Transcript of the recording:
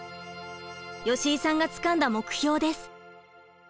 吉井さんがつかんだ目標です。